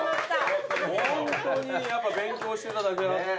ホントに勉強してただけあって。